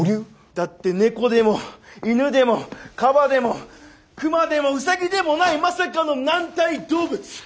だって猫でも犬でもカバでもクマでもウサギでもないまさかの軟体動物！